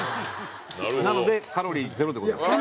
なのでカロリー０でございます。